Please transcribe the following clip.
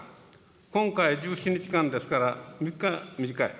今回１７日間ですから３日短い。